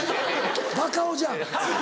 バカ男じゃん。